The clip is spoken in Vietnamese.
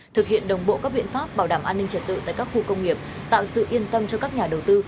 thực hiện đồng bộ các biện pháp bảo đảm an ninh trật tự tại các khu công nghiệp tạo sự yên tâm cho các nhà đầu tư